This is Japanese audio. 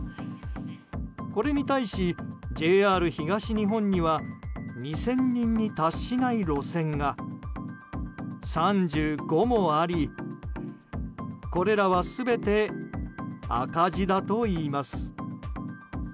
これに対し、ＪＲ東日本には２０００人に達しない路線が３５もありこれらは全て赤字だといいます。